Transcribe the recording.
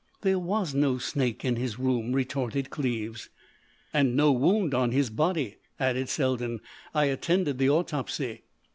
"There was no snake in his room," retorted Cleves. "And no wound on his body," added Selden. "I attended the autopsy."